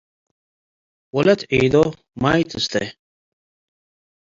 ወለት ዒዶ ማይ ትሰቴ